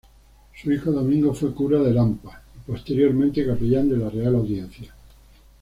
Su hijo Domingo fue cura de Lampa y, posteriormente, capellán de la Real Audiencia.